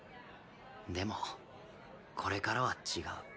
でもこれからは違う。